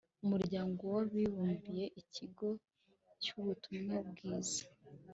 umuryango w'abibumbye, ikigo cy'ubutumwa bwiza